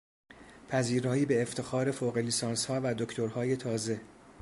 پذیرایی به افتخار فوق لیسانسها و دکترهای تازه